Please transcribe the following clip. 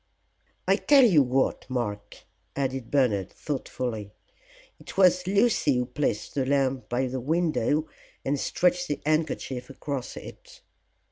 I tell you what, Mark," added Bernard, thoughtfully, "it was Lucy who placed the lamp by the window and stretched the handkerchief across it."